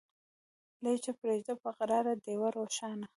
لیږه پریږده په قرار ډېوه روښانه